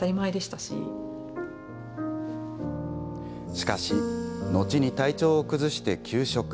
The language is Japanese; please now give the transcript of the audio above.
しかし、のちに体調を崩して休職。